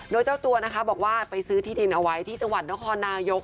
โดยเจ้าตัวนะคะบอกว่าไปซื้อที่ดินเอาไว้ที่จังหวัดนครนายก